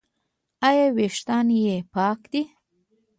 ایا ویښتان یې پاک دي؟